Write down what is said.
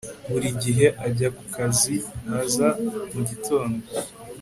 Buri gihe ajya kukazi h za mugitondo